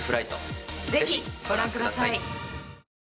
ぜひ、ご覧ください。